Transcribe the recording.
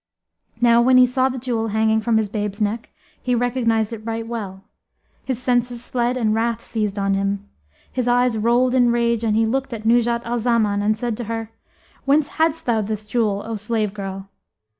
Now when he saw the jewel hanging from his babe's neck he recognised it right well, his senses fled and wrath seized on him; his eyes rolled in rage and he looked at Nuzhat al Zaman and said to her, "Whence hadst thou this jewel, O slave girl?"